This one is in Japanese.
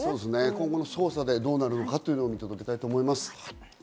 今後の捜査でどうなるのか、見届けたいと思います。